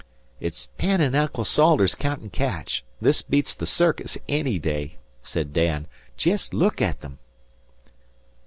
"It's Penn an' Uncle Salters caountin' catch. This beats the circus any day," said Dan. "Jest look at 'em!"